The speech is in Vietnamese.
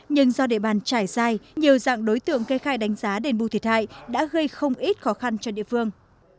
nhưng do địa bàn trải dài nhiều dạng đối tượng kê khai đánh giá đền bù thiệt hại đã gây không ít khó khăn cho địa phương